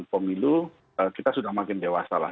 pemilu kita sudah makin dewasa lah